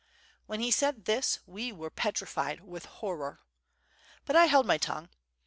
When he said this we were petrified with horror. But I held my tongue.